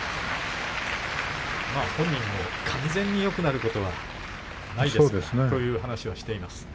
本人も完全によくなることはないという話をしています。